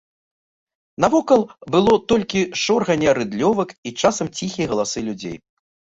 Навокал было толькі шорганне рыдлёвак і часамі ціхія галасы людзей.